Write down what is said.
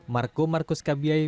marco marcus kabyai